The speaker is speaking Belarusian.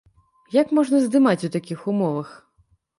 Як можна здымаць у такіх умовах?